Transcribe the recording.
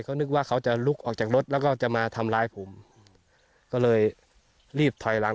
เขานึกว่าเขาจะลุกออกจากรถแล้วก็จะมาทำร้ายผมก็เลยรีบถอยหลัง